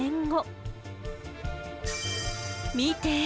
見て！